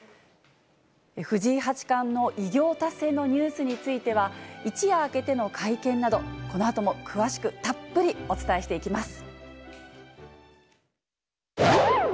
藤井八冠の偉業達成のニュースについては、一夜明けての会見など、このあとも詳しくたっぷりお伝えしていきます。